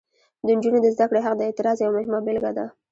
د نجونو د زده کړې حق د اعتراض یوه مهمه بیلګه ده.